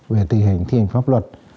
về thi hành thi hành pháp luật